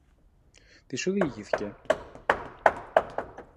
Τι σου διηγήθηκε;